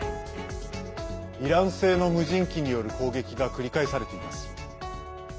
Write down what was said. イラン製の無人機による攻撃が繰り返されています。